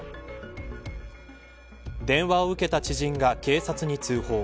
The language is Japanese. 電話を受けた知人が警察に通報。